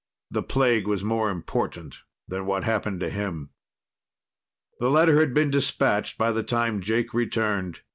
The plague was more important than what happened to him. The letter had been dispatched by the time Jake returned.